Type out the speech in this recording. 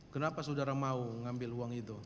kenapa sudara mau mengambil uang itu